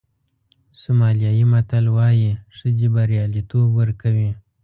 سومالیایي متل وایي ښځې بریالیتوب ورکوي.